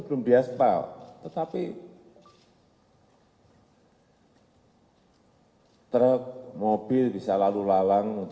kalau harus di polri mungkin harus di muka